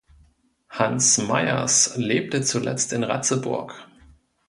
Hans Meyers lebte zuletzt in Ratzeburg.